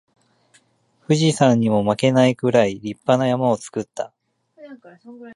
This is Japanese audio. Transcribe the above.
富士山にも負けないくらい立派な山を作った